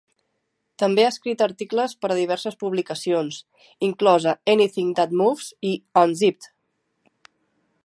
També ha escrit articles per a diverses publicacions, inclosa "Anything That Moves" i "Unzipped".